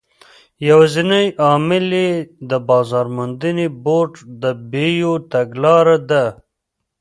یوازینی عامل یې د بازار موندنې بورډ د بیو تګلاره ده.